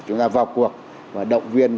chúng ta vào cuộc và động viên